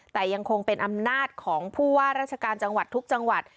แต่ยังคงเป็นอำนาจของผู้ว่าราชการจังหวัดทุกจังหวัด